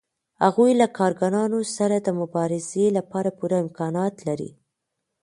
هغوی له کارګرانو سره د مبارزې لپاره پوره امکانات لري